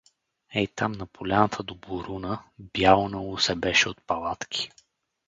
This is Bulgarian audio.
Ей там на поляната до буруна бялнало се беше от палатки.